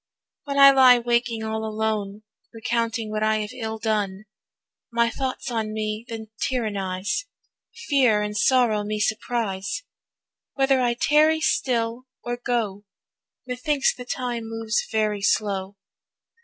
When I lie waking all alone, Recounting what I have ill done, My thoughts on me then tyrannise, Fear and sorrow me surprise, Whether I tarry still or go, Methinks the time moves very slow.